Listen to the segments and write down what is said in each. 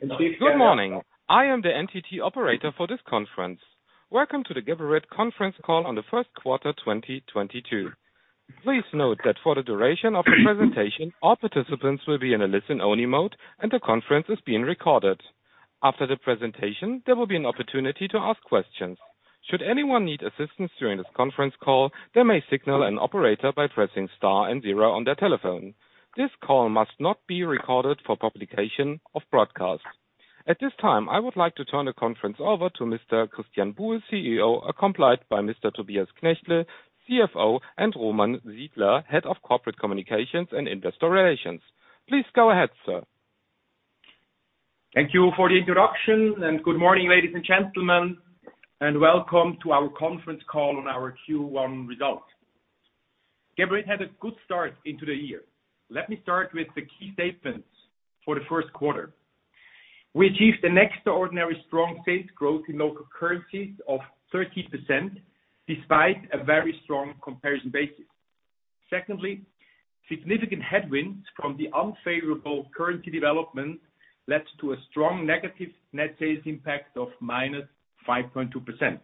Good morning. I am the NTT operator for this conference. Welcome to the Geberit conference call on the first quarter 2022. Please note that for the duration of the presentation, all participants will be in a listen-only mode, and the conference is being recorded. After the presentation, there will be an opportunity to ask questions. Should anyone need assistance during this conference call, they may signal an operator by pressing star and zero on their telephone. This call must not be recorded for publication or broadcast. At this time, I would like to turn the conference over to Mr. Christian Buhl, CEO, accompanied by Mr. Tobias Knechtle, CFO, and Roman Sidler, Head of Corporate Communications and Investor Relations. Please go ahead, sir. Thank you for the introduction, and good morning, ladies and gentlemen, and welcome to our conference call on our Q1 results. Geberit had a good start into the year. Let me start with the key statements for the first quarter. We achieved an extraordinary strong sales growth in local currencies of 30% despite a very strong comparison basis. Secondly, significant headwinds from the unfavorable currency development led to a strong negative net sales impact of -5.2%.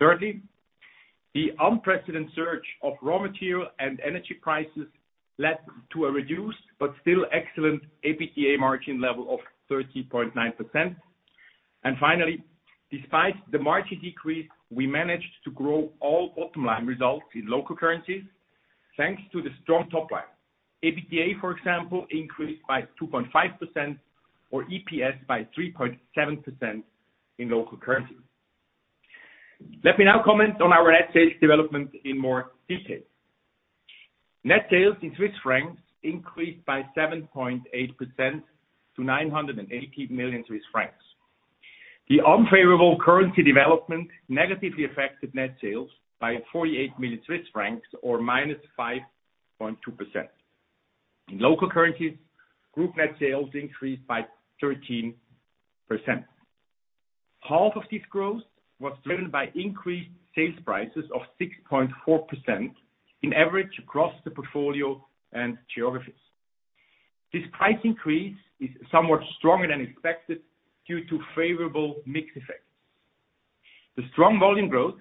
Thirdly, the unprecedented surge of raw material and energy prices led to a reduced but still excellent EBITDA margin level of 30.9%. Finally, despite the margin decrease, we managed to grow all bottom line results in local currencies, thanks to the strong top line. EBITDA, for example, increased by 2.5% or EPS by 3.7% in local currency. Let me now comment on our net sales development in more detail. Net sales in Swiss francs increased by 7.8% to 980 million Swiss francs. The unfavorable currency development negatively affected net sales by 48 million Swiss francs or -5.2%. In local currencies, group net sales increased by 13%. Half of this growth was driven by increased sales prices of 6.4% in average across the portfolio and geographies. This price increase is somewhat stronger than expected due to favorable mix effects. The strong volume growth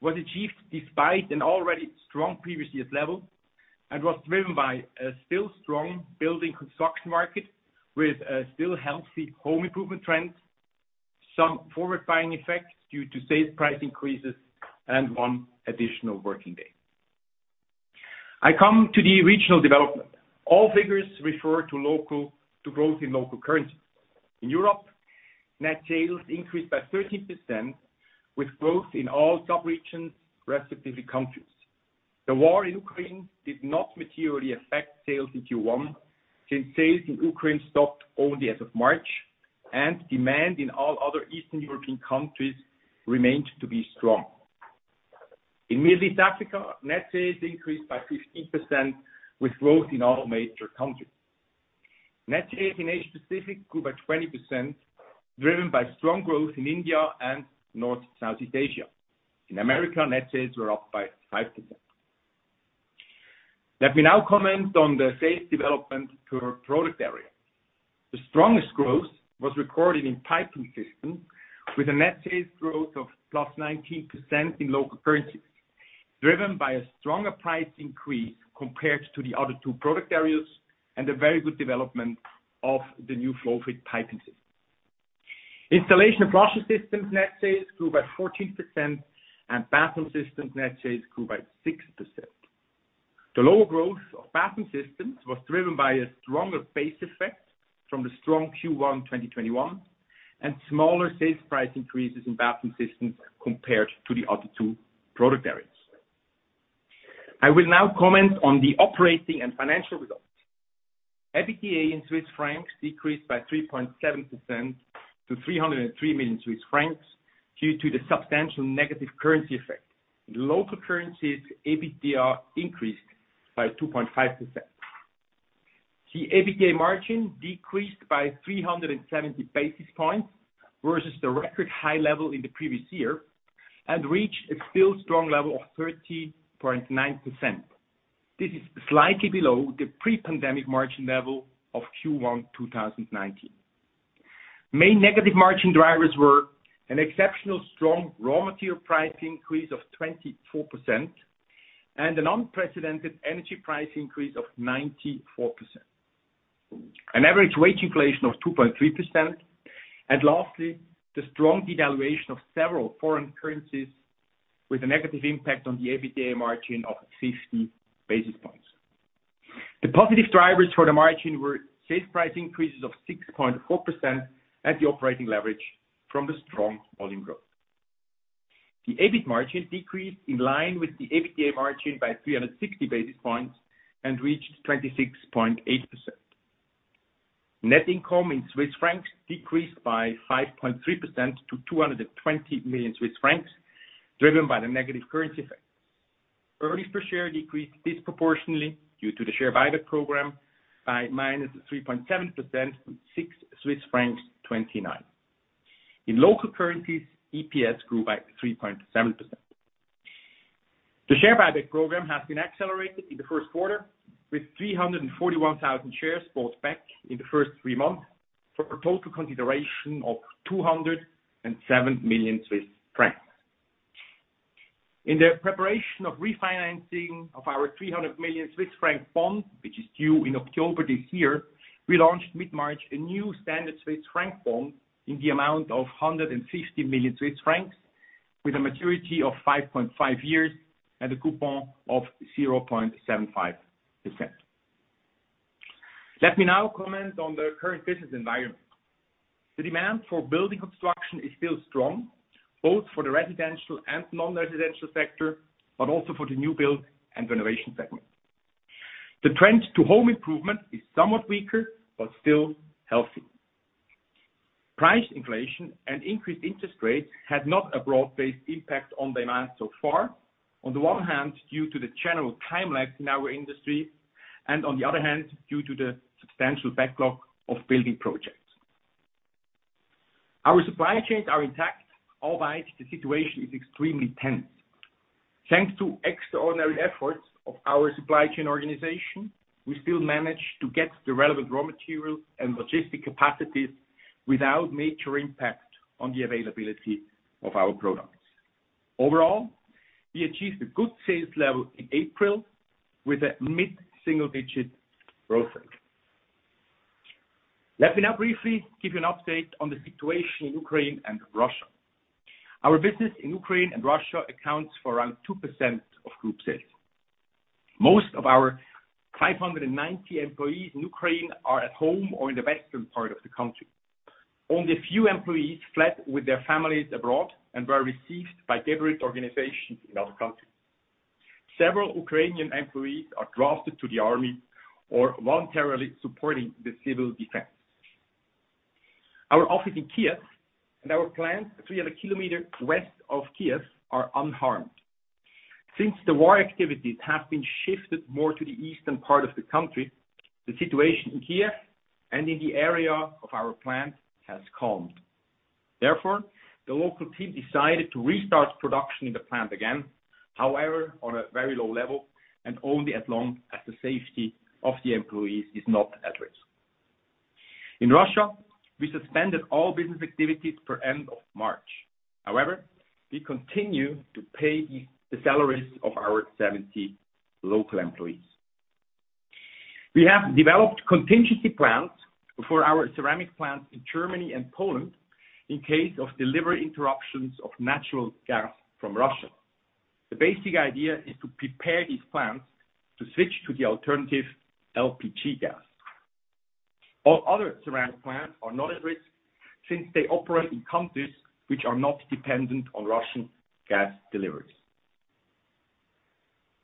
was achieved despite an already strong previous year's level and was driven by a still strong building construction market with a still healthy home improvement trends, some forward buying effects due to sales price increases, and one additional working day. I come to the regional development. All figures refer to growth in local currency. In Europe, net sales increased by 13% with growth in all sub-regions, respective countries. The war in Ukraine did not materially affect sales in Q1, since sales in Ukraine stopped only as of March, and demand in all other Eastern European countries remained to be strong. In Middle East and Africa, net sales increased by 15% with growth in all major countries. Net sales in Asia-Pacific grew by 20%, driven by strong growth in India and North and Southeast Asia. In America, net sales were up by 5%. Let me now comment on the sales development per product area. The strongest growth was recorded in Piping Systems with a net sales growth of +19% in local currencies, driven by a stronger price increase compared to the other two product areas and a very good development of the new FlowFit piping system. Installation and Flushing Systems net sales grew by 14% and Bathroom Systems net sales grew by 6%. The lower growth of Bathroom Systems was driven by a stronger base effect from the strong Q1 2021, and smaller sales price increases in Bathroom Systems compared to the other two product areas. I will now comment on the operating and financial results. EBITDA in Swiss francs decreased by 3.7% to 303 million Swiss francs due to the substantial negative currency effect. In local currencies, EBITDA increased by 2.5%. The EBITDA margin decreased by 370 basis points versus the record high level in the previous year and reached a still strong level of 30.9%. This is slightly below the pre-pandemic margin level of Q1 2019. Main negative margin drivers were an exceptionally strong raw material price increase of 24% and an unprecedented energy price increase of 94%. An average wage inflation of 2.3%, and lastly, the strong devaluation of several foreign currencies with a negative impact on the EBITDA margin of 50 basis points. The positive drivers for the margin were sales price increases of 6.4% and the operating leverage from the strong volume growth. The EBIT margin decreased in line with the EBITDA margin by 360 basis points and reached 26.8%. Net income in Swiss francs decreased by 5.3% to 220 million Swiss francs, driven by the negative currency effect. Earnings per share decreased disproportionally due to the share buyback program by -3.7%, 6.29 Swiss francs. In local currencies, EPS grew by 3.7%. The share buyback program has been accelerated in the first quarter, with 341,000 shares bought back in the first three months for a total consideration of 207 million Swiss francs. In the preparation of refinancing of our 300 million Swiss franc bond, which is due in October this year, we launched mid-March a new standard Swiss franc bond in the amount of 150 million Swiss francs, with a maturity of 5.5 years and a coupon of 0.75%. Let me now comment on the current business environment. The demand for building construction is still strong, both for the residential and non-residential sector, but also for the new build and renovation segment. The trend to home improvement is somewhat weaker, but still healthy. Price inflation and increased interest rates had not a broad-based impact on demand so far. On the one hand, due to the general time lapse in our industry, and on the other hand, due to the substantial backlog of building projects. Our supply chains are intact, albeit the situation is extremely tense. Thanks to extraordinary efforts of our supply chain organization, we still manage to get the relevant raw materials and logistic capacities without major impact on the availability of our products. Overall, we achieved a good sales level in April with a mid-single-digit% growth rate. Let me now briefly give you an update on the situation in Ukraine and Russia. Our business in Ukraine and Russia accounts for around 2% of group sales. Most of our 590 employees in Ukraine are at home or in the western part of the country. Only a few employees fled with their families abroad and were received by Geberit organizations in our country. Several Ukrainian employees are drafted to the army or voluntarily supporting the civil defense. Our office in Kiev and our plant, 300 km west of Kiev, are unharmed. Since the war activities have been shifted more to the eastern part of the country, the situation in Kiev and in the area of our plant has calmed. Therefore, the local team decided to restart production in the plant again, however, on a very low level and only as long as the safety of the employees is not at risk. In Russia, we suspended all business activities for end of March. However, we continue to pay the salaries of our 70 local employees. We have developed contingency plans for our ceramic plants in Germany and Poland in case of delivery interruptions of natural gas from Russia. The basic idea is to prepare these plants to switch to the alternative LPG gas. All other ceramic plants are not at risk since they operate in countries which are not dependent on Russian gas deliveries.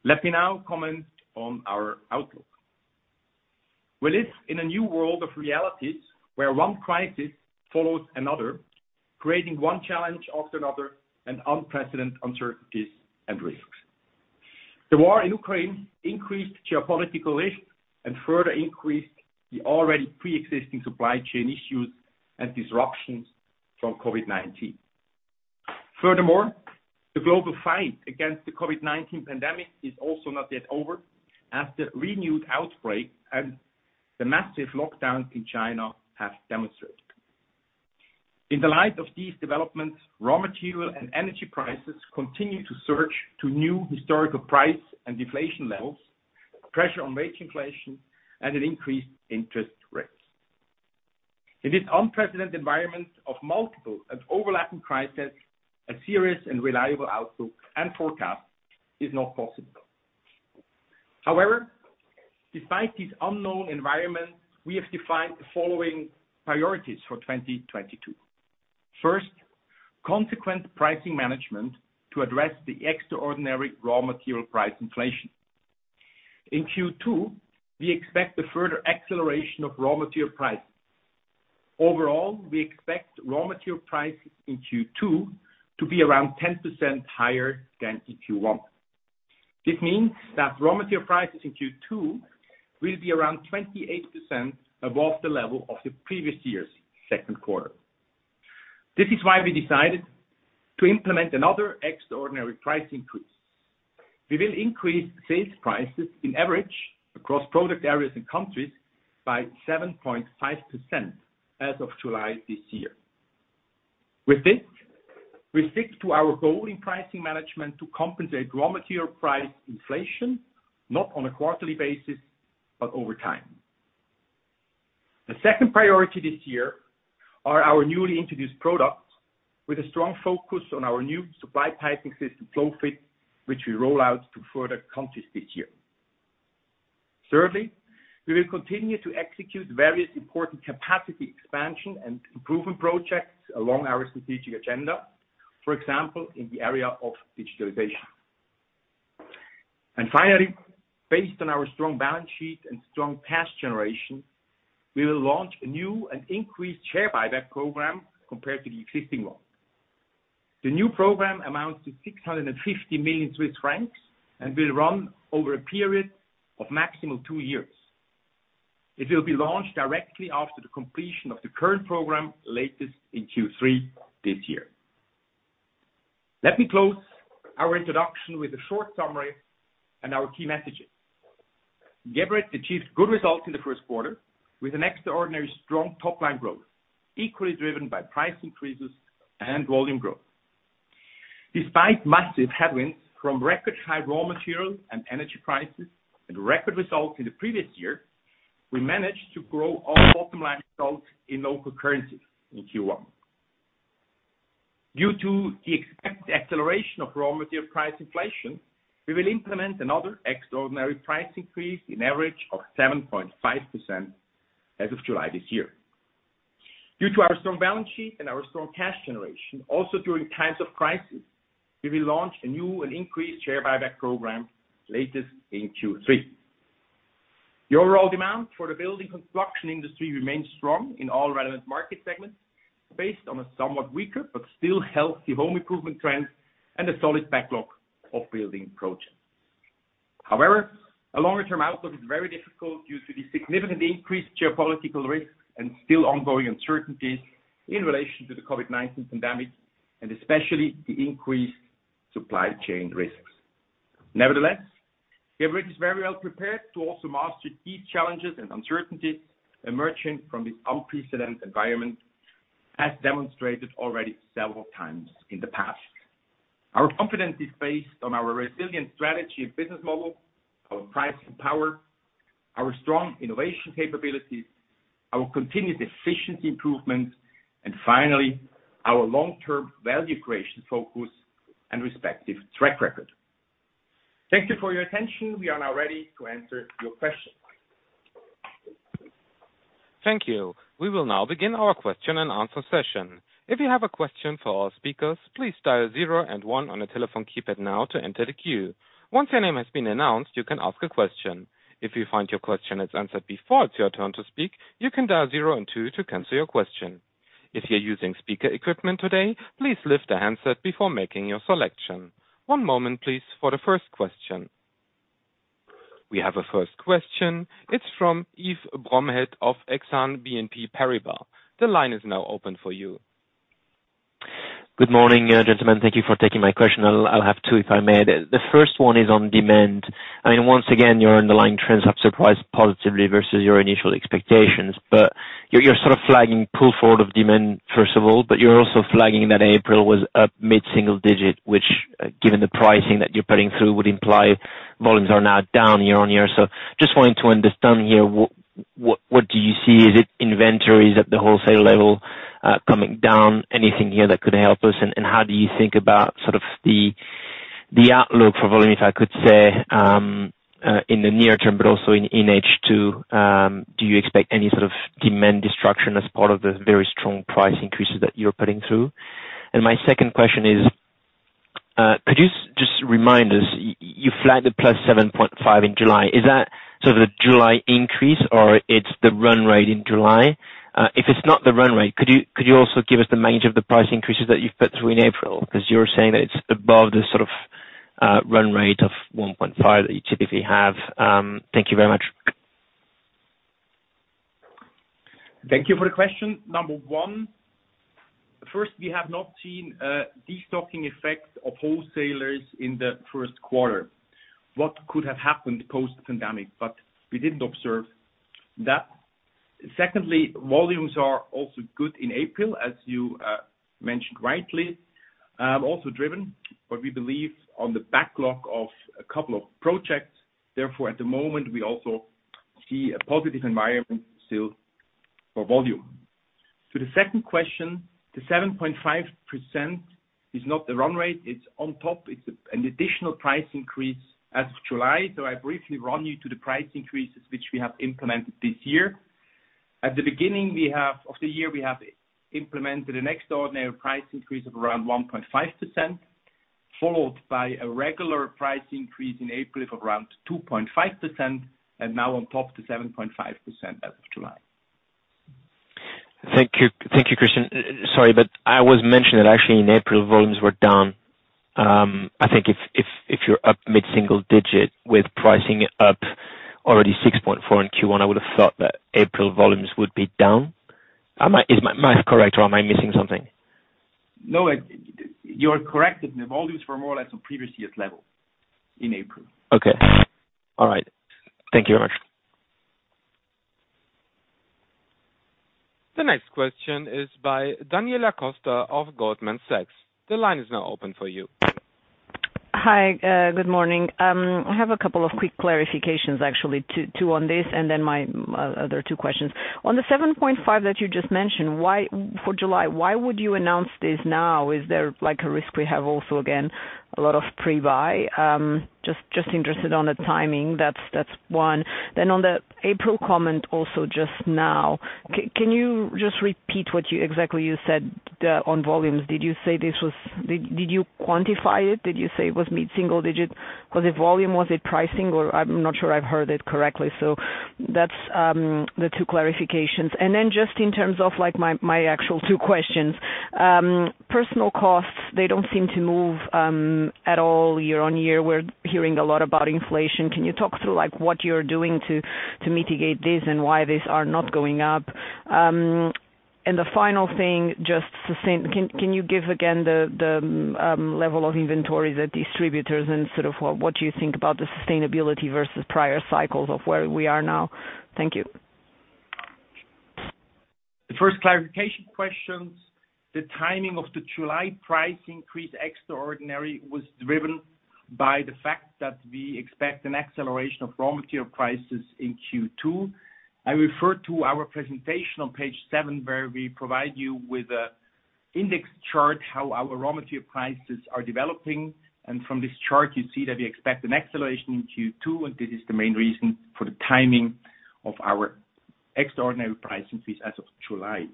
Let me now comment on our outlook. We live in a new world of realities where one crisis follows another, creating one challenge after another and unprecedented uncertainties and risks. The war in Ukraine increased geopolitical risk and further increased the already pre-existing supply chain issues and disruptions from COVID-19. Furthermore, the global fight against the COVID-19 pandemic is also not yet over, as the renewed outbreak and the massive lockdown in China have demonstrated. In the light of these developments, raw material and energy prices continue to surge to new historical highs and inflation levels. Pressure on wage inflation and increased interest rates. In this unprecedented environment of multiple and overlapping crises, a serious and reliable outlook and forecast is not possible. However, despite this unknown environment, we have defined the following priorities for 2022. First, consequent pricing management to address the extraordinary raw material price inflation. In Q2, we expect a further acceleration of raw material prices. Overall, we expect raw material prices in Q2 to be around 10% higher than in Q1. This means that raw material prices in Q2 will be around 28% above the level of the previous year's second quarter. This is why we decided to implement another extraordinary price increase. We will increase sales prices on average across product areas and countries by 7.5% as of July this year. With this, we stick to our goal in pricing management to compensate raw material price inflation, not on a quarterly basis, but over time. The second priority this year are our newly introduced products with a strong focus on our new supply piping system, FlowFit, which we roll out to further countries this year. Thirdly, we will continue to execute various important capacity expansion and improvement projects along our strategic agenda, for example, in the area of digitalization. Finally, based on our strong balance sheet and strong cash generation, we will launch a new and increased share buyback program compared to the existing one. The new program amounts to 650 million Swiss francs and will run over a period of maximum two years. It will be launched directly after the completion of the current program latest in Q3 this year. Let me close our introduction with a short summary and our key messages. Geberit achieved good results in the first quarter with an extraordinary strong top line growth, equally driven by price increases and volume growth. Despite massive headwinds from record high raw material and energy prices and record results in the previous year, we managed to grow our bottom line results in local currency in Q1. Due to the expected acceleration of raw material price inflation, we will implement another extraordinary price increase in average of 7.5% as of July this year. Due to our strong balance sheet and our strong cash generation also during times of crisis, we will launch a new and increased share buyback program latest in Q3. The overall demand for the building construction industry remains strong in all relevant market segments based on a somewhat weaker but still healthy home improvement trend and a solid backlog of building projects. However, a longer term outlook is very difficult due to the significantly increased geopolitical risk and still ongoing uncertainties in relation to the COVID-19 pandemic, and especially the increased supply chain risks. Nevertheless, Geberit is very well prepared to also master key challenges and uncertainties emerging from this unprecedented environment, as demonstrated already several times in the past. Our confidence is based on our resilient strategy and business model, our pricing power, our strong innovation capabilities, our continued efficiency improvements, and finally, our long-term value creation focus and respective track record. Thank you for your attention. We are now ready to answer your questions. Thank you. We will now begin our question and answer session. If you have a question for our speakers, please dial zero and one on your telephone keypad now to enter the queue. Once your name has been announced, you can ask a question. If you find your question is answered before it's your turn to speak, you can dial zero and two to cancel your question. If you're using speaker equipment today, please lift the handset before making your selection. One moment please for the first question. We have a first question. It's from Yves Bromehead of Exane BNP Paribas. The line is now open for you. Good morning, gentlemen. Thank you for taking my question. I'll have two if I may. The first one is on demand. I mean, once again, your underlying trends have surprised positively versus your initial expectations. You're sort of flagging pull forward of demand, first of all, but you're also flagging that April was up mid-single digit, which given the pricing that you're putting through, would imply volumes are now down year-on-year. Just wanting to understand here, what do you see? Is it inventories at the wholesale level coming down? Anything here that could help us? How do you think about sort of the outlook for volume, if I could say, in the near term but also in H2, do you expect any sort of demand destruction as part of the very strong price increases that you're putting through? My second question is, could you just remind us, you flagged the +7.5% in July. Is that sort of the July increase or it's the run rate in July? If it's not the run rate, could you also give us the magnitude of the price increases that you've put through in April? Because you're saying that it's above the sort of run rate of 1.5% that you typically have. Thank you very much. Thank you for the question. Number one, first, we have not seen destocking effects of wholesalers in the first quarter. What could have happened post the pandemic, but we didn't observe that. Secondly, volumes are also good in April, as you mentioned rightly, also driven what we believe on the backlog of a couple of projects. Therefore, at the moment, we also see a positive environment still for volume. To the second question, the 7.5% is not the run rate, it's on top. It's an additional price increase as of July. I briefly run you through the price increases which we have implemented this year. At the beginning of the year, we have implemented an extraordinary price increase of around 1.5%, followed by a regular price increase in April of around 2.5%, and now on top the 7.5% as of July. Thank you. Thank you, Christian. Sorry, but I was mentioning that actually in April, volumes were down. I think if you're up mid-single digit with pricing up already 6.4% in Q1, I would have thought that April volumes would be down. Is my math correct or am I missing something? No, you're correct. The volumes were more or less on previous year's level in April. Okay. All right. Thank you very much. The next question is by Daniela Costa of Goldman Sachs. The line is now open for you. Hi. Good morning. I have a couple of quick clarifications actually, two on this and then my other two questions. On the 7.5 that you just mentioned, why for July, why would you announce this now? Is there like a risk we have also again, a lot of pre-buy? Just interested on the timing. That's one. Then on the April comment also just now, can you just repeat what you exactly said on volumes? Did you say this was? Did you quantify it? Did you say it was mid-single digit? Was it volume? Was it pricing? Or I'm not sure I've heard it correctly. So that's the two clarifications. And then just in terms of like my actual two questions. Personnel costs, they don't seem to move at all year-on-year. We're hearing a lot about inflation. Can you talk through like what you're doing to mitigate this and why these are not going up? The final thing, just can you give again the level of inventory the distributors and sort of what you think about the sustainability versus prior cycles of where we are now? Thank you. The first clarification questions, the timing of the July price increase extraordinary was driven by the fact that we expect an acceleration of raw material prices in Q2. I refer to our presentation on page seven, where we provide you with an index chart, how our raw material prices are developing. From this chart, you see that we expect an acceleration in Q2, and this is the main reason for the timing of our extraordinary price increase as of July.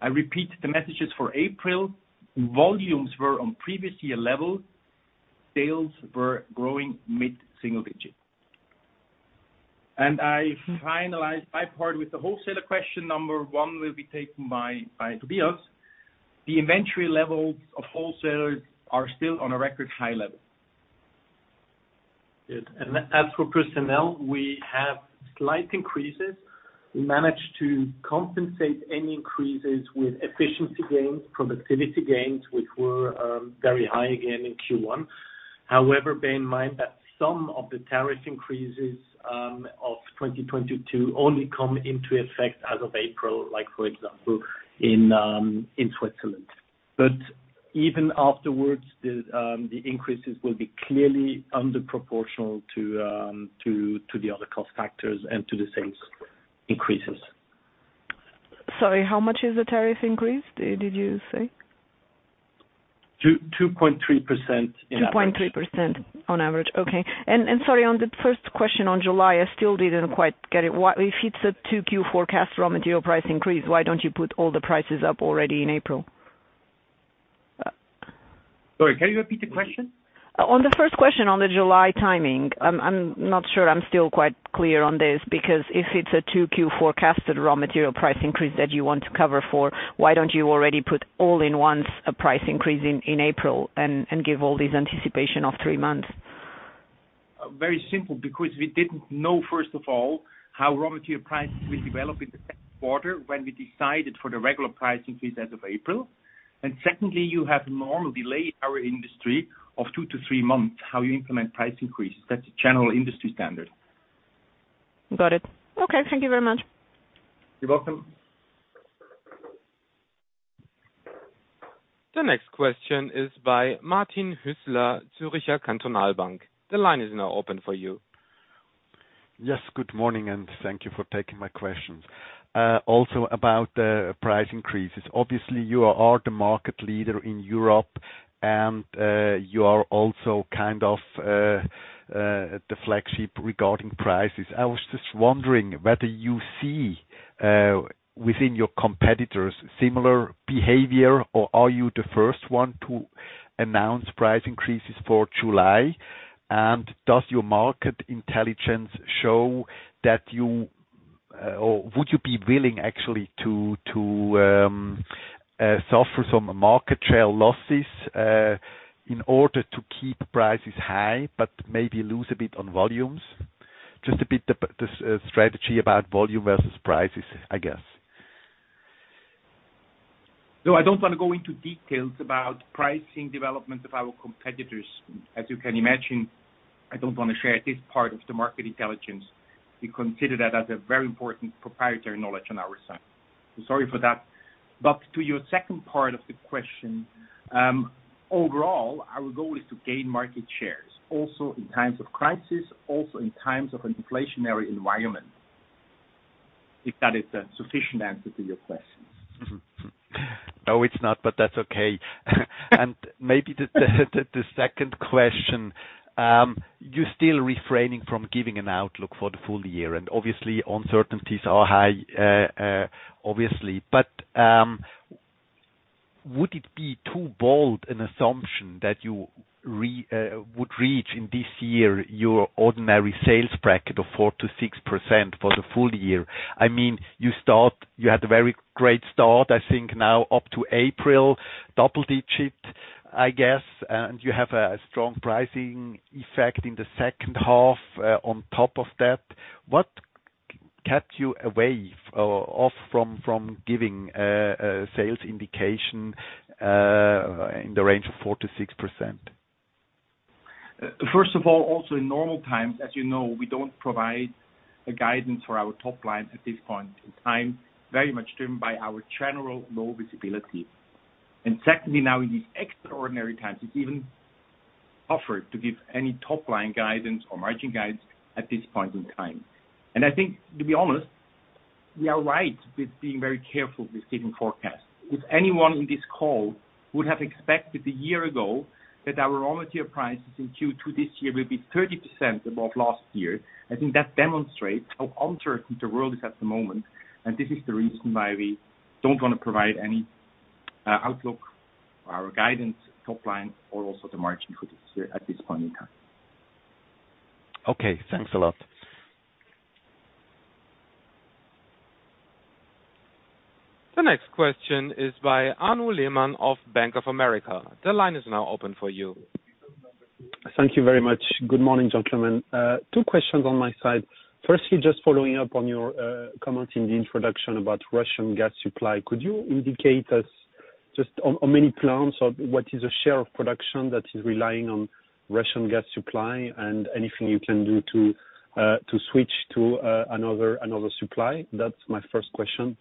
I repeat the messages for April. Volumes were on previous-year level. Sales were growing mid-single-digit%. I finalize my part with the wholesaler question, number one will be taken by Tobias. The inventory levels of wholesalers are still on a record high level. Yes. As for personnel, we have slight increases. We managed to compensate any increases with efficiency gains, productivity gains, which were very high again in Q1. However, bear in mind that some of the tariff increases of 2022 only come into effect as of April, like for example, in Switzerland. Even afterwards, the increases will be clearly under proportional to the other cost factors and to the sales increases. Sorry, how much is the tariff increase? Did you say? 2.3% on average. 2.3% on average. Okay. Sorry, on the first question on July, I still didn't quite get it. Why, if it's a 2Q forecast raw material price increase, why don't you put all the prices up already in April? Sorry, can you repeat the question? On the first question, on the July timing, I'm not sure I'm still quite clear on this, because if it's a 2Q forecasted raw material price increase that you want to cover for, why don't you already put all in once a price increase in April and give all these anticipation of three months? Very simple, because we didn't know, first of all, how raw material prices will develop in the second quarter when we decided for the regular price increase as of April. Secondly, you have normal delay in our industry of two to three months, how you implement price increases. That's a general industry standard. Got it. Okay, thank you very much. You're welcome. The next question is by Martin Hüsler, Zürcher Kantonalbank. The line is now open for you. Yes, good morning, and thank you for taking my questions. Also about the price increases. Obviously, you are the market leader in Europe, and you are also kind of the flagship regarding prices. I was just wondering whether you see within your competitors similar behavior, or are you the first one to announce price increases for July? Or would you be willing actually to suffer some market share losses in order to keep prices high, but maybe lose a bit on volumes? Just a bit about this strategy about volume versus prices, I guess. No, I don't wanna go into details about pricing development of our competitors. As you can imagine, I don't wanna share this part of the market intelligence. We consider that as a very important proprietary knowledge on our side. Sorry for that. To your second part of the question, overall, our goal is to gain market shares, also in times of crisis, also in times of an inflationary environment, if that is a sufficient answer to your questions. No, it's not, but that's okay. Maybe the second question, you're still refraining from giving an outlook for the full year, and obviously uncertainties are high, obviously. Would it be too bold an assumption that you would reach in this year your ordinary sales bracket of 4%-6% for the full year? I mean, you had a very great start, I think now up to April, double-digit, I guess, and you have a strong pricing effect in the second half, on top of that. What kept you away or off from giving a sales indication in the range of 4%-6%? First of all, also in normal times, as you know, we don't provide a guidance for our top line at this point in time, very much driven by our general low visibility. Secondly, now in these extraordinary times, it's even harder to give any top line guidance or margin guidance at this point in time. I think, to be honest, we are right with being very careful with giving forecasts. If anyone in this call would have expected a year ago that our raw material prices in Q2 this year will be 30% above last year, I think that demonstrates how uncertain the world is at the moment, and this is the reason why we don't wanna provide any, outlook or guidance, top line or also the margin for this year at this point in time. Okay, thanks a lot. The next question is by Arnaud Lehmann of Bank of America. The line is now open for you. Thank you very much. Good morning, gentlemen. Two questions on my side. Firstly, just following up on your comment in the introduction about Russian gas supply. Could you indicate to us just how many plants or what is the share of production that is relying on Russian gas supply and anything you can do to switch to another supply? That's my first question.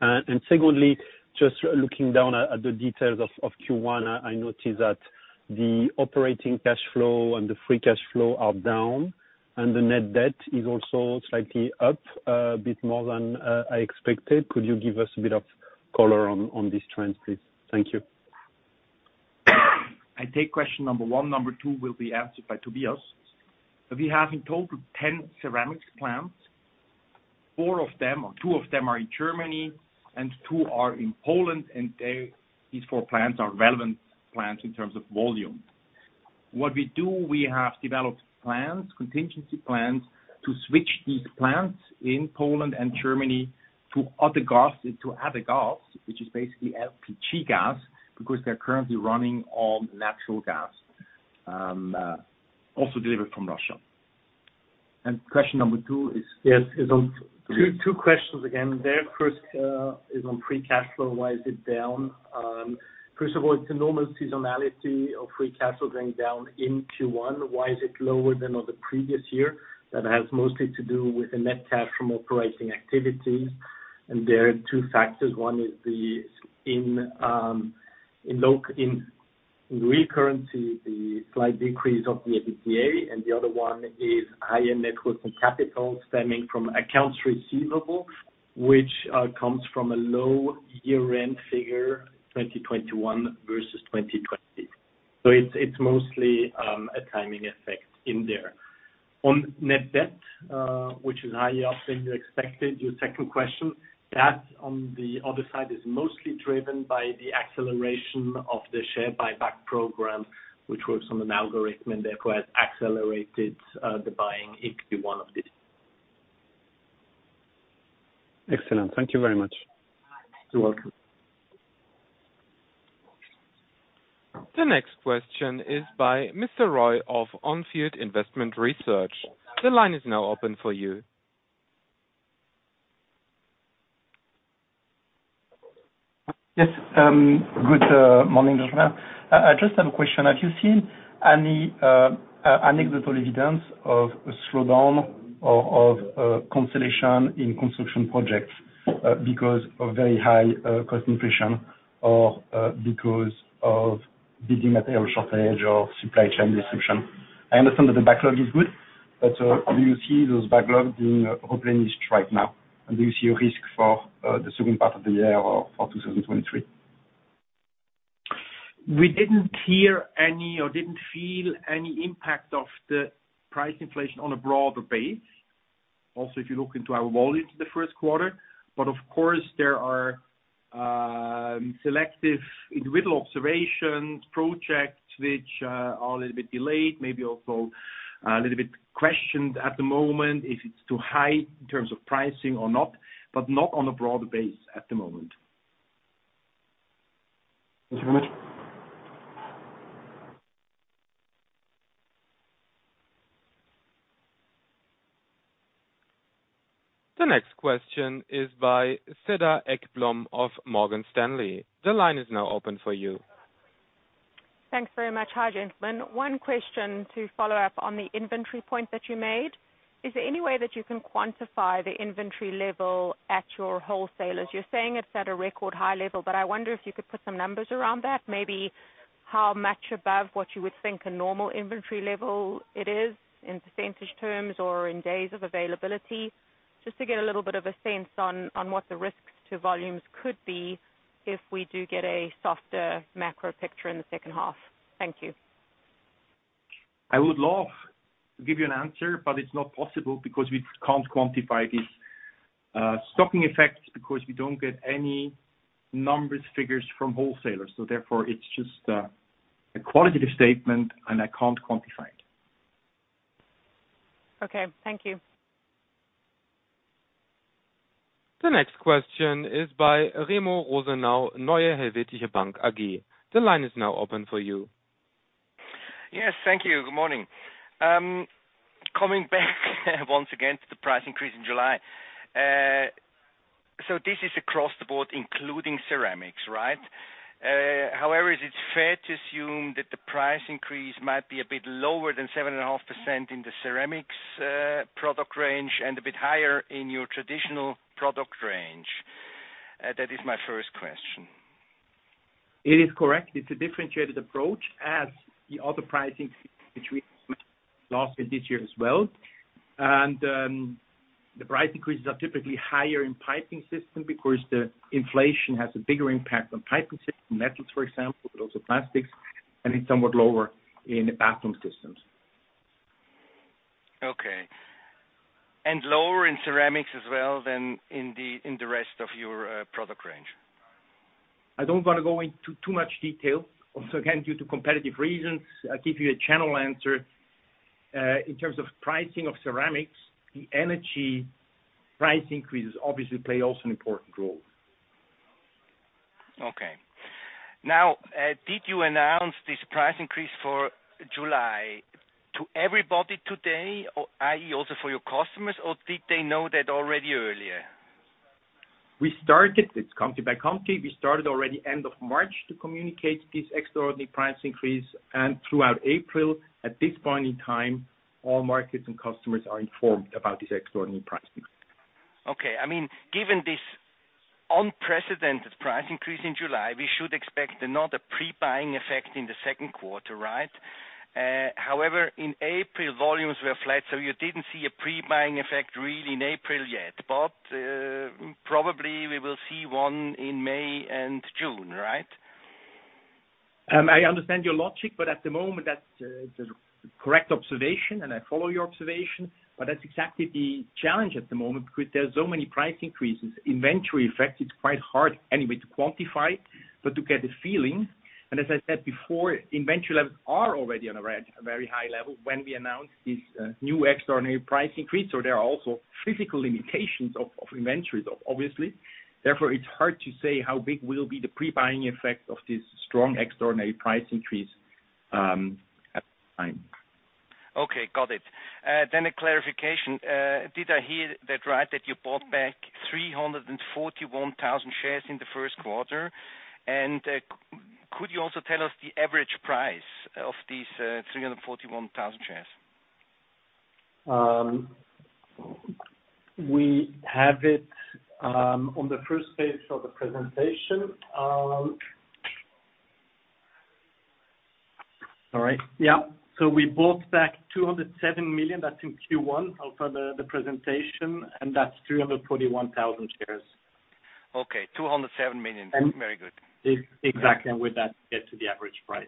And secondly, just looking down at the details of Q1, I notice that the operating cash flow and the free cash flow are down, and the net debt is also slightly up, a bit more than I expected. Could you give us a bit of color on this trend, please? Thank you. I take question number one. Number two will be answered by Tobias. We have in total 10 ceramics plants. Four of them or two of them are in Germany and two are in Poland, and they, these four plants are relevant plants in terms of volume. What we do, we have developed plans, contingency plans to switch these plants in Poland and Germany to other gas, which is basically LPG gas, because they're currently running on natural gas, also delivered from Russia. Question number two is? Yes. Yes. Two questions again there. First is on free cash flow. Why is it down? First of all, it's a normal seasonality of free cash flow going down in Q1. Why is it lower than in the previous year? That has mostly to do with the net cash from operating activities. There are two factors. One is the slight decrease of the EBITDA, and the other one is higher net working capital stemming from accounts receivable, which comes from a low year-end figure, 2021 versus 2020. It's mostly a timing effect in there. On net debt, which is higher up than you expected, your second question, that on the other side is mostly driven by the acceleration of the share buyback program, which works on an algorithm and therefore has accelerated, the buying in Q1 of this. Excellent. Thank you very much. You're welcome. The next question is by Mr. Roy of On Field Investment Research. The line is now open for you. Yes. Good morning, gentlemen. I just have a question. Have you seen any anecdotal evidence of a slowdown or of cancellation in construction projects because of very high cost inflation or because of building material shortage or supply chain disruption? I understand that the backlog is good, but do you see those backlogs being openly stripped now? Do you see a risk for the second part of the year or for 2023? We didn't hear any or didn't feel any impact of the price inflation on a broader base. Also, if you look into our volumes in the first quarter. Of course, there are selective individual observations, projects which are a little bit delayed, maybe also a little bit questioned at the moment if it's too high in terms of pricing or not, but not on a broader base at the moment. Thank you very much. The next question is by Cedar Ekblom of Morgan Stanley. The line is now open for you. Thanks very much. Hi, gentlemen. One question to follow up on the inventory point that you made. Is there any way that you can quantify the inventory level at your wholesalers? You're saying it's at a record high level, but I wonder if you could put some numbers around that, maybe how much above what you would think a normal inventory level it is in percentage terms or in days of availability, just to get a little bit of a sense on what the risks to volumes could be if we do get a softer macro picture in the second half. Thank you. I would love to give you an answer, but it's not possible because we can't quantify this, stocking effect because we don't get any numbers, figures from wholesalers. Therefore, it's just a qualitative statement, and I can't quantify it. Okay, thank you. The next question is by Remo Rosenau, Helvetische Bank AG. The line is now open for you. Yes. Thank you. Good morning. Coming back once again to the price increase in July. So this is across the board, including ceramics, right? However, is it fair to assume that the price increase might be a bit lower than 7.5% in the ceramics product range and a bit higher in your traditional product range? That is my first question. It is correct. It's a differentiated approach as to the pricing between last year and this year as well. The price increases are typically higher in Piping Systems because the inflation has a bigger impact on Piping Systems, metals, for example, but also plastics, and it's somewhat lower in Bathroom Systems. Okay. Lower in ceramics as well than in the rest of your product range? I don't wanna go into too much detail. Also, again, due to competitive reasons, I give you a general answer. In terms of pricing of ceramics, the energy price increases obviously play also an important role. Okay. Now, did you announce this price increase for July to everybody today, or i.e., also for your customers, or did they know that already earlier? We started this company by company. We started already end of March to communicate this extraordinary price increase and throughout April. At this point in time, all markets and customers are informed about this extraordinary price increase. Okay. I mean, given this unprecedented price increase in July, we should expect another pre-buying effect in the second quarter, right? However, in April, volumes were flat, so you didn't see a pre-buying effect really in April yet, but, probably we will see one in May and June, right? I understand your logic, but at the moment that's the correct observation, and I follow your observation. That's exactly the challenge at the moment because there are so many price increases. Inventory effect, it's quite hard anyway to quantify, but to get a feeling, and as I said before, inventory levels are already on a very high level when we announced this new extraordinary price increase. There are also physical limitations of inventory though, obviously. Therefore, it's hard to say how big will be the pre-buying effect of this strong extraordinary price increase at the time. Okay, got it. A clarification. Did I hear that right, that you bought back 341,000 shares in the first quarter? Could you also tell us the average price of these 341,000 shares? We have it on the first page of the presentation. All right. Yeah. We bought back 207 million, that's in Q1, after the presentation, and that's 341,000 shares. Okay, 207 million. And- Very good. Exactly. With that, get to the average price.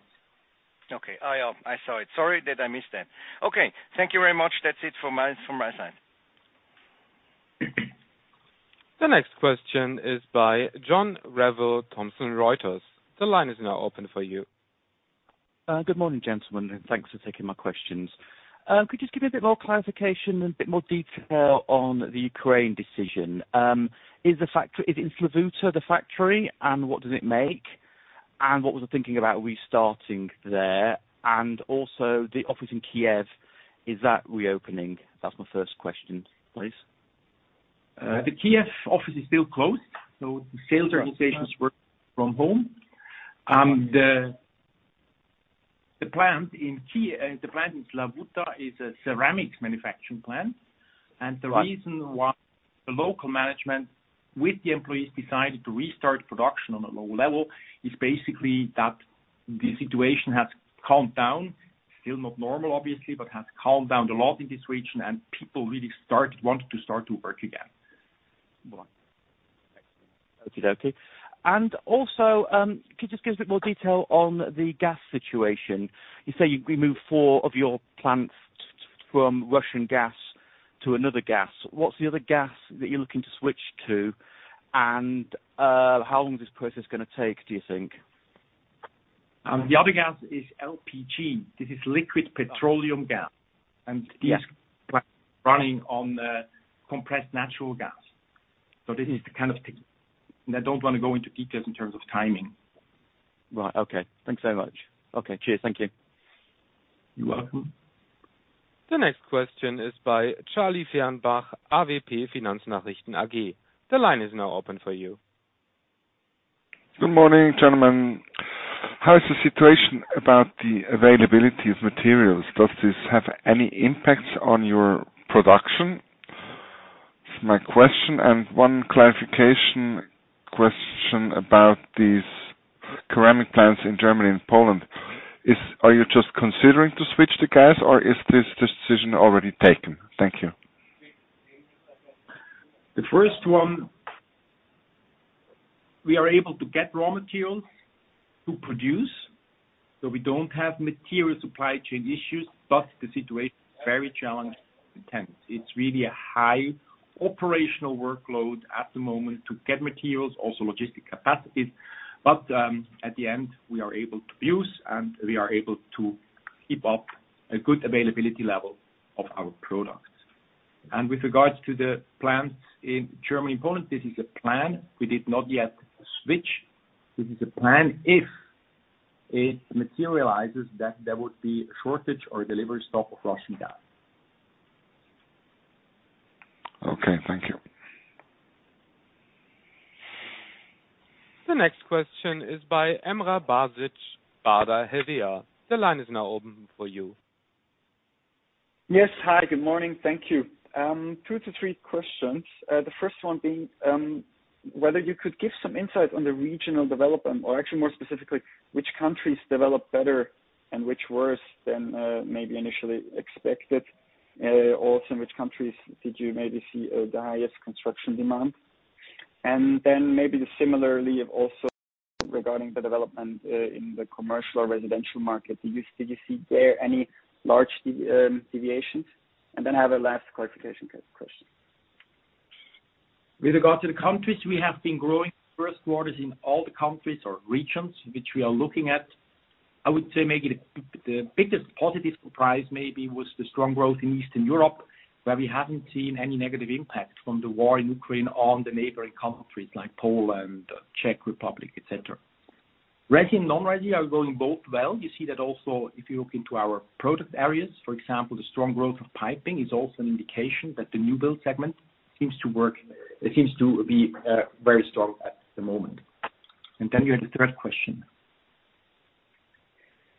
Okay. I saw it. Sorry, did I miss that? Okay, thank you very much. That's it from my side. The next question is by John Revill, Thomson Reuters. The line is now open for you. Good morning, gentlemen, and thanks for taking my questions. Could you just give me a bit more clarification and a bit more detail on the Ukraine decision? Is it Slavuta, the factory, and what does it make? And what was the thinking about restarting there? And also the office in Kiev, is that reopening? That's my first question, please. The Kiev office is still closed, so the sales organizations work from home. The plant in Slavuta is a ceramics manufacturing plant. Right. The reason why the local management with the employees decided to restart production on a low level is basically that the situation has calmed down. Still not normal, obviously, but has calmed down a lot in this region and people really want to start to work again. Right. Excellent. Okie dokie. Could you just give a bit more detail on the gas situation? You say you removed four of your plants from Russian gas to another gas. What's the other gas that you're looking to switch to and how long is this process gonna take, do you think? The other gas is LPG. This is liquid petroleum gas. Yes. These plants are running on compressed natural gas. This is the kind of thing. I don't wanna go into details in terms of timing. Right. Okay. Thanks so much. Okay, cheers. Thank you. You're welcome. The next question is by Charlie Fernbach, AWP Finanznachrichten AG. The line is now open for you. Good morning, gentlemen. How is the situation about the availability of materials? Does this have any impacts on your production? It's my question and one clarification question about these ceramic plants in Germany and Poland. Are you just considering to switch the gas or is this decision already taken? Thank you. The first one, we are able to get raw materials to produce, so we don't have material supply chain issues, but the situation is very challenging and tense. It's really a high operational workload at the moment to get materials, also logistic capacities. But at the end, we are able to produce, and we are able to keep up a good availability level of our products. With regards to the plants in Germany and Poland, this is a plan. We did not yet switch. This is a plan if it materializes that there would be a shortage or delivery stop of Russian gas. Okay, thank you. The next question is by Emre Basaran, Baader Helvea. The line is now open for you. Yes. Hi, good morning. Thank you. two to three questions. The first one being whether you could give some insight on the regional development or actually more specifically which countries developed better and which worse than maybe initially expected. Also in which countries did you maybe see the highest construction demand? And then maybe similarly also regarding the development in the commercial or residential market. Did you see there any large deviations? And then I have a last clarification question. With regard to the countries, we have been growing first quarters in all the countries or regions which we are looking at. I would say maybe the biggest positive surprise maybe was the strong growth in Eastern Europe, where we haven't seen any negative impact from the war in Ukraine on the neighboring countries like Poland, Czech Republic, et cetera. Resi and non-resi are both going well. You see that also if you look into our product areas, for example, the strong growth of piping is also an indication that the new build segment seems to be very strong at the moment. You had a third question.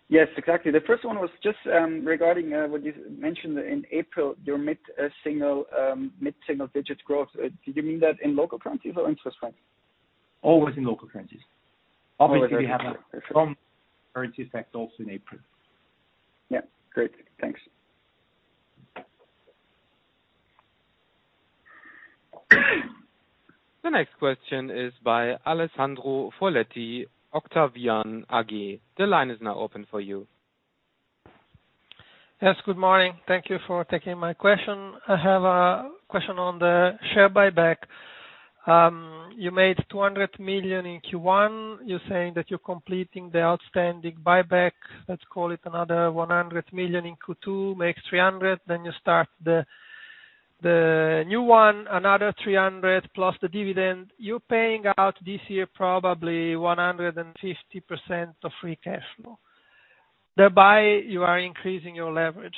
Yes, exactly. The first one was just regarding what you mentioned in April, your mid-single digit growth. Did you mean that in local currencies or in Swiss franc? Always in local currencies. Always in local currencies. Obviously, we have a strong currency effect also in April. Yeah. Great. Thanks. The next question is by Alessandro Foletti, Octavian AG. The line is now open for you. Yes, good morning. Thank you for taking my question. I have a question on the share buyback. You made 200 million in Q1. You're saying that you're completing the outstanding buyback, let's call it another 100 million in Q2, makes 300 million, then you start the new one, another 300 million plus the dividend. You're paying out this year probably 150% of free cash flow. Thereby, you are increasing your leverage.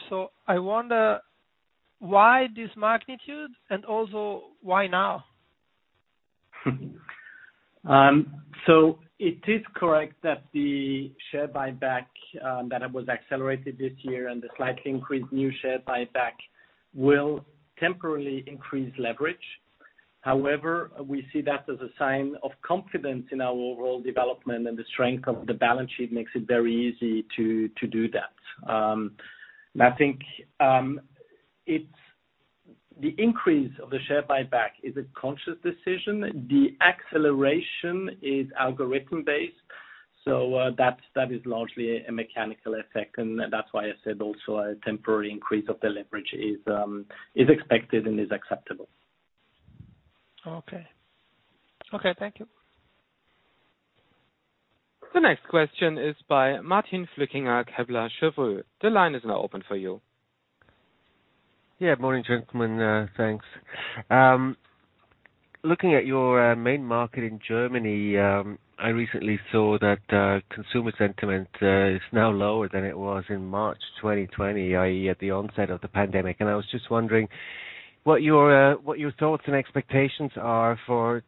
I wonder why this magnitude and also why now? It is correct that the share buyback that it was accelerated this year and the slightly increased new share buyback will temporarily increase leverage. However, we see that as a sign of confidence in our overall development, and the strength of the balance sheet makes it very easy to do that. I think it's the increase of the share buyback is a conscious decision. The acceleration is algorithm-based, that is largely a mechanical effect, and that's why I said also a temporary increase of the leverage is expected and is acceptable. Okay. Okay, thank you. The next question is by Martin Flückiger, Kepler Cheuvreux. The line is now open for you. Yeah. Morning, gentlemen. Thanks. Looking at your main market in Germany, I recently saw that consumer sentiment is now lower than it was in March 2020, i.e., at the onset of the pandemic. I was just wondering what your thoughts and expectations are for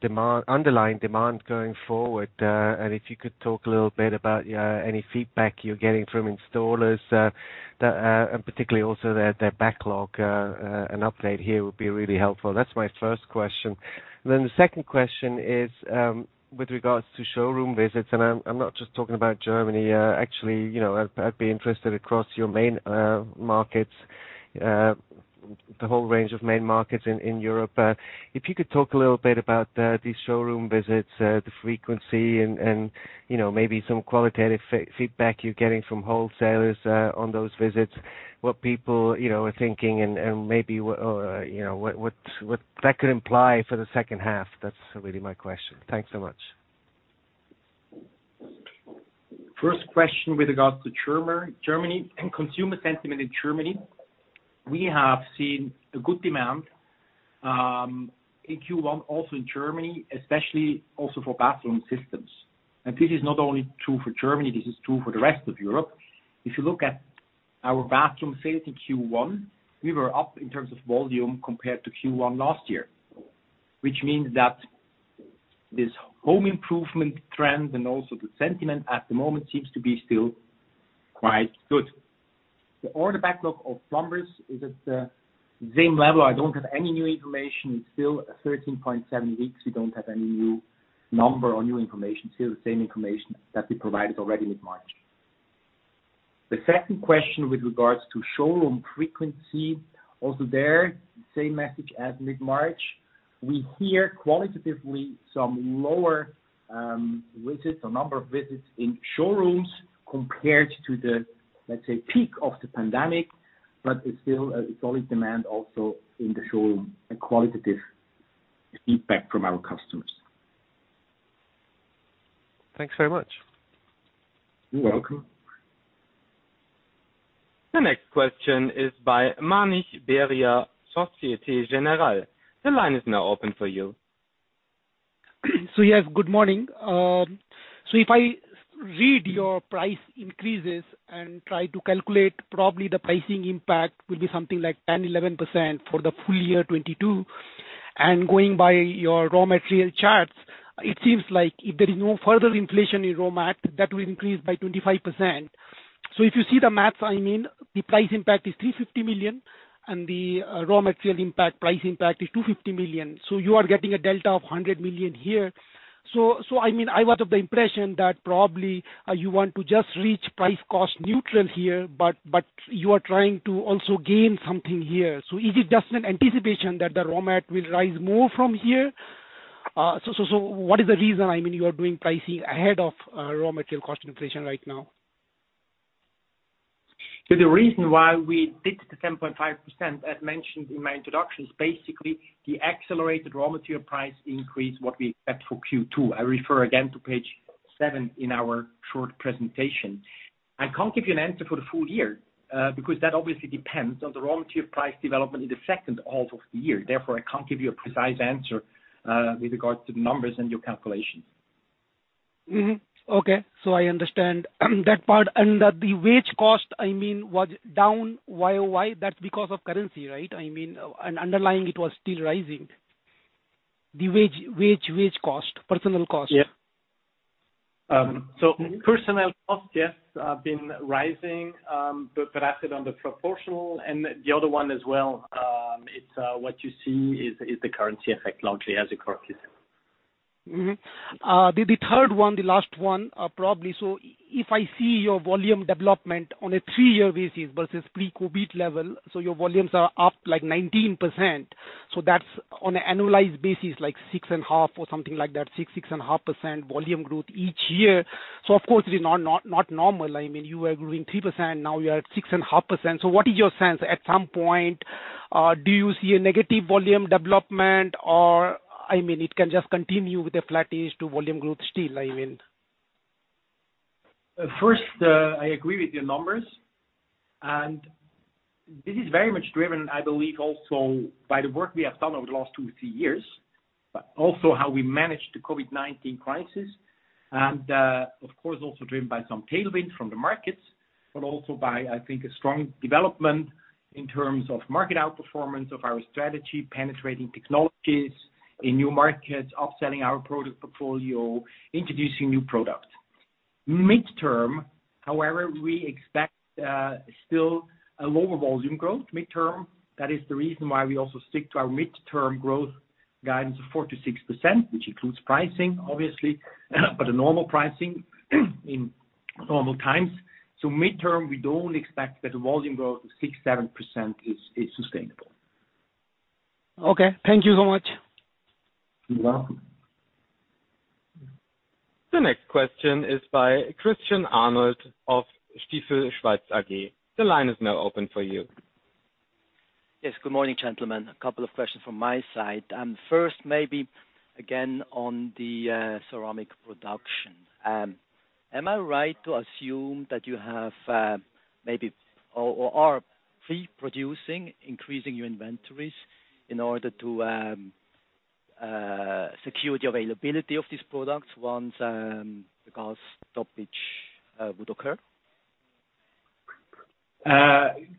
underlying demand going forward. If you could talk a little bit about any feedback you're getting from installers, and particularly also their backlog, an update here would be really helpful. That's my first question. The second question is, with regards to showroom visits, and I'm not just talking about Germany. Actually, you know, I'd be interested across your main markets, the whole range of main markets in Europe. If you could talk a little bit about these showroom visits, the frequency and, you know, maybe some qualitative feedback you're getting from wholesalers on those visits. What people, you know, are thinking and maybe what that could imply for the second half. That's really my question. Thanks so much. First question with regards to Germany and consumer sentiment in Germany. We have seen a good demand in Q1, also in Germany, especially also for Bathroom Systems. This is not only true for Germany, this is true for the rest of Europe. If you look at our bathroom sales in Q1, we were up in terms of volume compared to Q1 last year, which means that this home improvement trend and also the sentiment at the moment seems to be still quite good. The order backlog of plumbers is at the same level. I don't have any new information. It's still at 13.7 weeks. We don't have any new number or new information. Still the same information that we provided already mid-March. The second question with regards to showroom frequency, also there, same message as mid-March. We hear qualitatively some lower visits or number of visits in showrooms compared to the, let's say, peak of the pandemic, but it's still a solid demand also in the showroom, a qualitative feedback from our customers. Thanks very much. You're welcome. The next question is by Manish Beria, Société Générale. The line is now open for you. Yes, good morning. If I read your price increases and try to calculate, probably the pricing impact will be something like 10%-11% for the full year 2022. Going by your raw material charts, it seems like if there is no further inflation in raw mat, that will increase by 25%. If you see the math, I mean, the price impact is 350 million, and the raw material impact price impact is 250 million. You are getting a delta of 100 million here. I mean, I was of the impression that probably you want to just reach price cost neutral here, but you are trying to also gain something here. Is it just an anticipation that the raw mat will rise more from here? What is the reason, I mean, you are doing pricing ahead of raw material cost inflation right now? The reason why we did the 10.5%, as mentioned in my introduction, is basically the accelerated raw material price increase that we expect for Q2. I refer again to page seven in our short presentation. I can't give you an answer for the full year, because that obviously depends on the raw material price development in the second half of the year. Therefore, I can't give you a precise answer, with regards to the numbers and your calculations. Mm-hmm. Okay. I understand that part. The wage cost, I mean, was down. Why? That's because of currency, right? I mean, underlying it was still rising. The wage cost, personnel cost. Yeah. Personnel costs, yes, have been rising, but as well on the proportional and the other one as well. It's what you see is the currency effect largely as it occurs. The third one, the last one, probably. If I see your volume development on a three-year basis versus pre-COVID level, your volumes are up, like, 19%. That's on an annualized basis, like, 6.5% or something like that volume growth each year. Of course it is not normal. I mean, you were growing 3%, now you are at 6.5%. What is your sense? At some point, do you see a negative volume development or, I mean, it can just continue with a flat-ish to volume growth still, I mean. First, I agree with your numbers. This is very much driven, I believe, also by the work we have done over the last two to three years, but also how we managed the COVID-19 crisis. Of course, also driven by some tailwinds from the markets, but also by, I think, a strong development in terms of market outperformance of our strategy, penetrating technologies in new markets, upselling our product portfolio, introducing new products. Midterm, however, we expect still a lower volume growth midterm. That is the reason why we also stick to our midterm growth guidance of 4%-6%, which includes pricing, obviously, but a normal pricing in normal times. Midterm, we don't expect that the volume growth of 6%-7% is sustainable. Okay. Thank you so much. You're welcome. The next question is by Christian Arnold of Stifel Schweiz AG. The line is now open for you. Yes. Good morning, gentlemen. A couple of questions from my side. First, maybe again on the ceramic production. Am I right to assume that you have maybe, or are pre-producing, increasing your inventories in order to secure the availability of these products once, because stoppage would occur?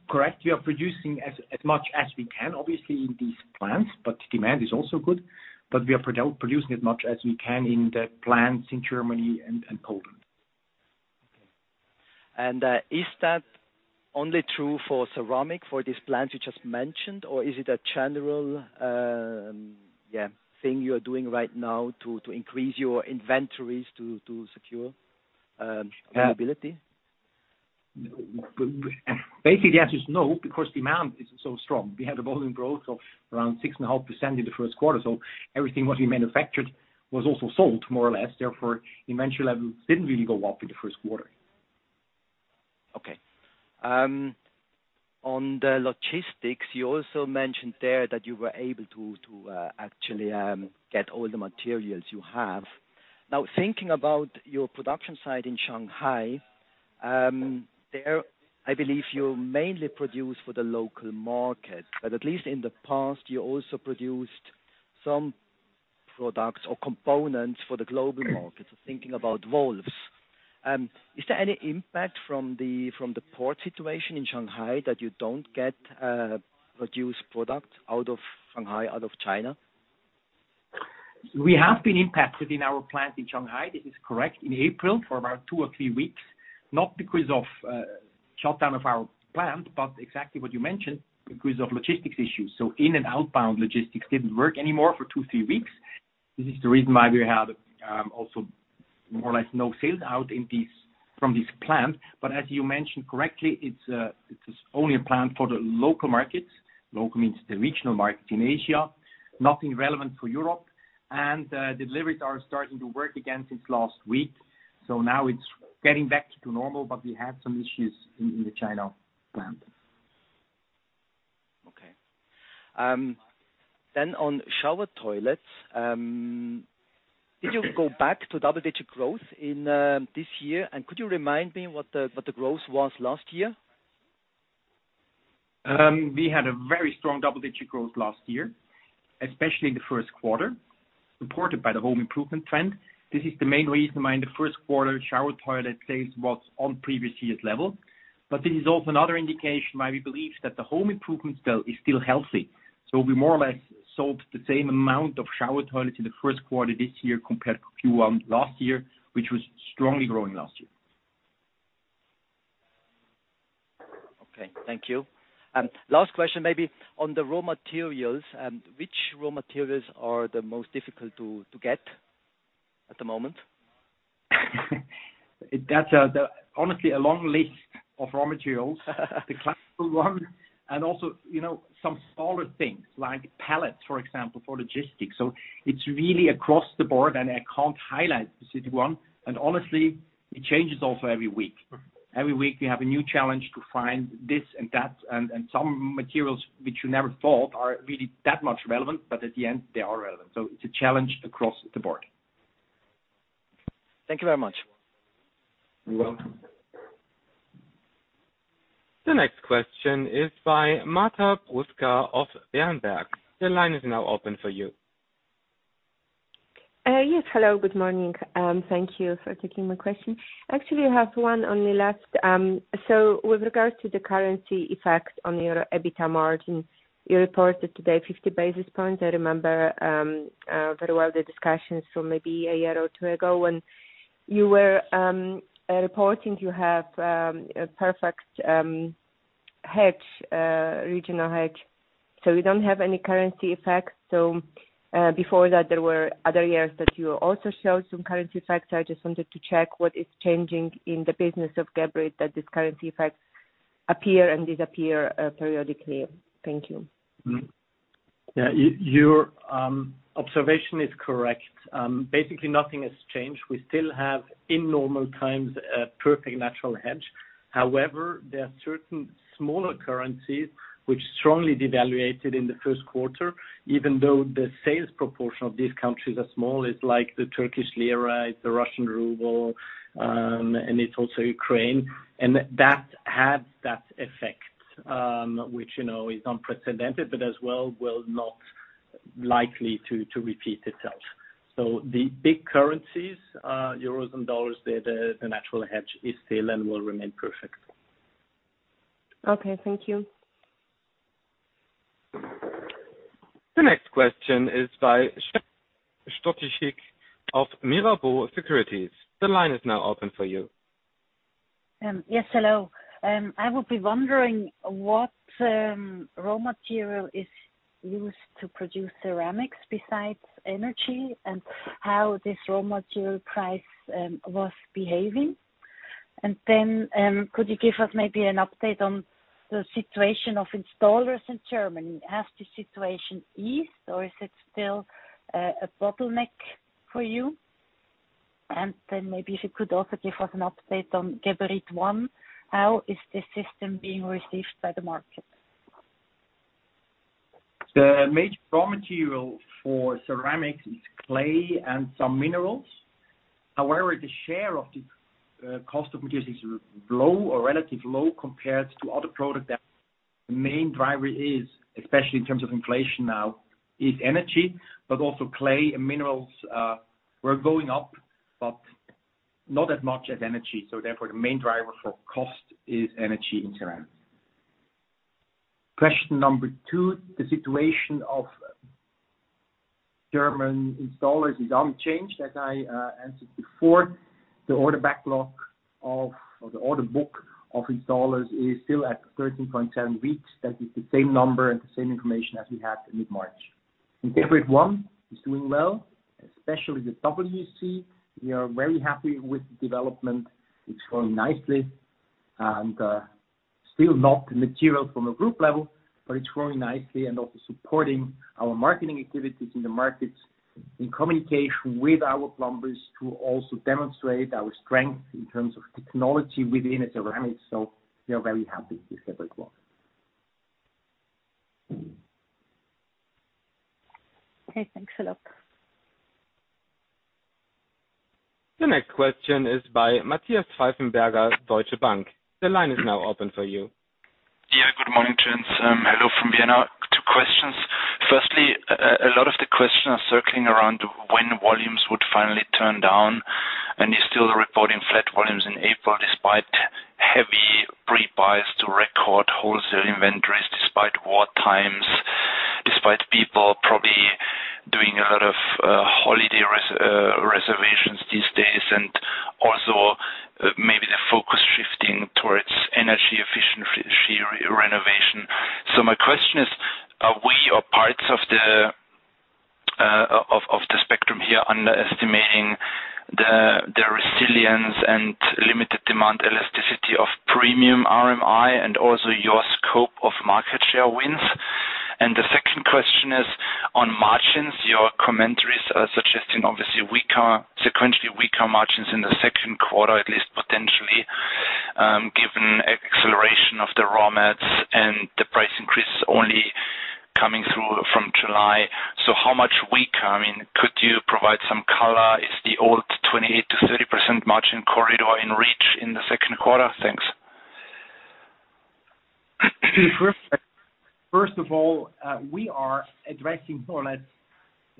Correct. We are producing as much as we can, obviously, in these plants, but demand is also good. We are producing as much as we can in the plants in Germany and Poland. Okay. Is that only true for ceramic, for these plants you just mentioned, or is it a general thing you are doing right now to increase your inventories to secure availability? Basically, the answer is no, because demand isn't so strong. We had a volume growth of around 6.5% in the first quarter. Everything what we manufactured was also sold more or less. Therefore, inventory levels didn't really go up in the first quarter. Okay. On the logistics, you also mentioned there that you were able to actually get all the materials you have. Now, thinking about your production site in Shanghai, I believe you mainly produce for the local market, but at least in the past, you also produced some products or components for the global market. Thinking about valves. Is there any impact from the port situation in Shanghai that you don't get produced product out of Shanghai, out of China? We have been impacted in our plant in Shanghai. This is correct. In April, for about two or three weeks, not because of shutdown of our plant, but exactly what you mentioned, because of logistics issues. In and outbound logistics didn't work anymore for two, three weeks. This is the reason why we had also more or less no sales out from this plant. As you mentioned correctly, it is only a plant for the local markets. Local means the regional market in Asia, nothing relevant for Europe. Deliveries are starting to work again since last week. Now it's getting back to normal, but we had some issues in the China plant. Okay. On shower toilets, did you go back to double-digit growth in this year? Could you remind me what the growth was last year? We had a very strong double-digit growth last year, especially in the first quarter, supported by the home improvement trend. This is the main reason why in the first quarter, shower toilet sales was on previous year's level. This is also another indication why we believe that the home improvement sale is still healthy. We more or less sold the same amount of shower toilets in the first quarter this year compared to Q1 last year, which was strongly growing last year. Okay. Thank you. Last question maybe on the raw materials. Which raw materials are the most difficult to get? At the moment? That's honestly a long list of raw materials, the classical one, and also, you know, some smaller things like pallets, for example, for logistics. It's really across the board, and I can't highlight a specific one. Honestly, it changes also every week. Every week, we have a new challenge to find this and that, and some materials which you never thought are really that much relevant, but at the end, they are relevant. It's a challenge across the board. Thank you very much. You're welcome. The next question is by Marta Czerepany of Berenberg. The line is now open for you. Yes. Hello, good morning. Thank you for taking my question. Actually, I have one only last. With regards to the currency effect on your EBITDA margin, you reported today 50 basis points. I remember very well the discussions from maybe a year or two ago when you were reporting you have a perfect regional hedge. You don't have any currency effects. Before that, there were other years that you also showed some currency effects. I just wanted to check what is changing in the business of Geberit that these currency effects appear and disappear periodically. Thank you. Your observation is correct. Basically nothing has changed. We still have in normal times a perfect natural hedge. However, there are certain smaller currencies which strongly devalued in the first quarter, even though the sales proportion of these countries are small. It's like the Turkish lira, it's the Russian ruble, and it's also Ukraine. That had that effect, which, you know, is unprecedented, but as well will not likely to repeat itself. The big currencies, euros and dollars, the natural hedge is still and will remain perfect. Okay, thank you. The next question is by Aleksandar Stoychev of Mirabaud Securities. The line is now open for you. Yes. Hello. I would be wondering what raw material is used to produce ceramics besides energy and how this raw material price was behaving. Could you give us maybe an update on the situation of installers in Germany? Has the situation eased, or is it still a bottleneck for you? Maybe if you could also give us an update on Geberit ONE, how is the system being received by the market? The major raw material for ceramics is clay and some minerals. However, the share of the cost of materials is low or relatively low compared to other products. The main driver is, especially in terms of inflation now, energy, but also clay and minerals were going up, but not as much as energy. Therefore, the main driver for cost is energy in ceramics. Question number two, the situation of German installers is unchanged. As I answered before, the order backlog of or the order book of installers is still at 13.7 weeks. That is the same number and the same information as we had in mid-March. Geberit ONE is doing well, especially the WC. We are very happy with the development. It's growing nicely and still not material from a group level, but it's growing nicely and also supporting our marketing activities in the markets in communication with our plumbers to also demonstrate our strength in terms of technology within ceramics. We are very happy with Geberit ONE. Okay, thanks a lot. The next question is by Matthias Pfeifenberger, Deutsche Bank. The line is now open for you. Yeah, good morning, gents. Hello from Vienna. Two questions. Firstly, a lot of the questions are circling around when volumes would finally turn down, and you're still reporting flat volumes in April, despite heavy pre-buys to record wholesale inventories, despite war times, despite people probably doing a lot of holiday reservations these days, and also maybe the focus shifting towards energy efficient renovation. My question is, are we or parts of the spectrum here underestimating the resilience and limited demand elasticity of premium RMI and also your scope of market share wins? The second question is on margins. Your commentaries are suggesting obviously sequentially weaker margins in the second quarter, at least potentially, given acceleration of the raw materials and the price increase only coming through from July. How much weaker? I mean, could you provide some color? Is the old 28%-30% margin corridor in reach in the second quarter? Thanks. First of all, we are addressing raw materials,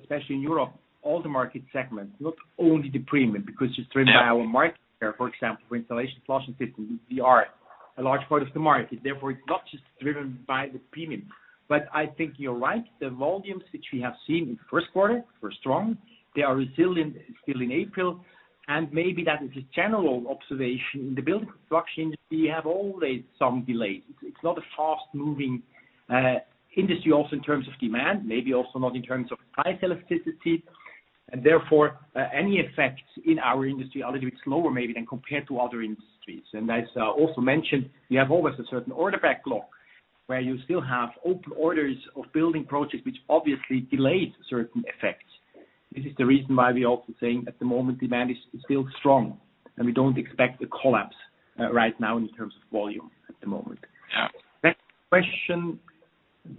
especially in Europe, all the market segments, not only the premium, because it's driven by our market share. For example, for Installation and Flushing Systems, we are a large part of the market, therefore it's not just driven by the premium. I think you're right. The volumes which we have seen in the first quarter were strong. They are resilient still in April. Maybe that is a general observation. In the building construction industry, you have always some delays. It's not a fast-moving industry also in terms of demand, maybe also not in terms of high elasticity, and therefore, any effects in our industry are a little bit slower maybe than compared to other industries. As I also mentioned, we have always a certain order backlog where you still have open orders of building projects which obviously delays certain effects. This is the reason why we're also saying at the moment, demand is still strong, and we don't expect a collapse right now in terms of volume at the moment. Next question.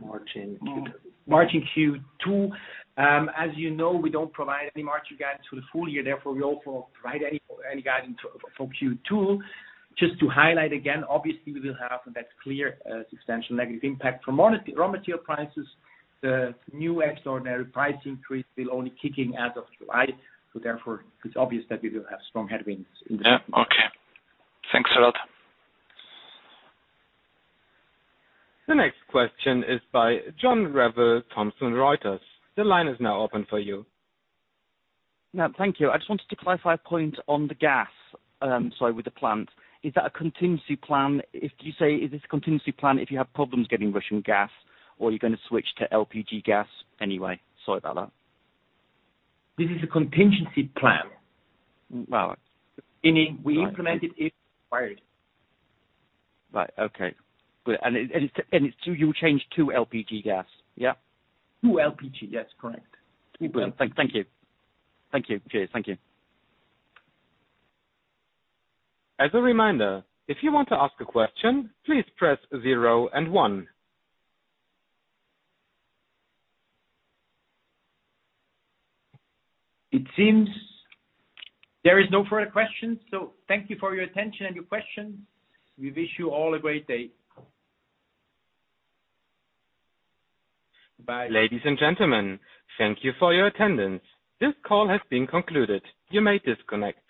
Margin Q2. Margin Q2. As you know, we don't provide any margin guidance for the full year, therefore we also don't provide any guidance for Q2. Just to highlight again, obviously we will have that clear, substantial negative impact from raw material prices. The new extraordinary price increase will only kick in as of July, so therefore it's obvious that we will have strong headwinds in the second- Yeah. Okay. Thanks a lot. The next question is by John Revill, Thomson Reuters. The line is now open for you. Now, thank you. I just wanted to clarify a point on the gas, sorry, with the plant. Is that a contingency plan if you have problems getting Russian gas or you're gonna switch to LPG gas anyway? Sorry about that. This is a contingency plan. Wow. We implement it if required. Right. Okay. Good. Do you change to LPG gas? Yeah. To LPG, that's correct. Thank you. Thank you. Cheers. Thank you. As a reminder, if you want to ask a question, please press zero and one. It seems there is no further questions, so thank you for your attention and your questions. We wish you all a great day. Bye. Ladies and gentlemen, thank you for your attendance. This call has been concluded. You may disconnect.